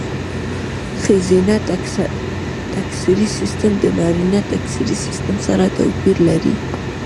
ښځینه تکثري سیستم د نارینه تکثري سیستم سره توپیر لري.